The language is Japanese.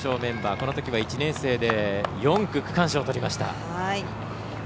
このときは１年生で４区区間賞をとりました。